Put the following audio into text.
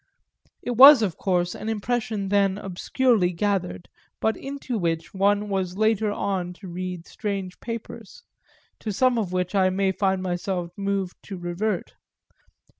It was of course an impression then obscurely gathered, but into which one was later on to read strange pages to some of which I may find myself moved to revert.